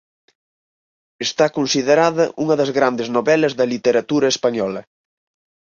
Está considerada unha das grandes novelas da literatura española.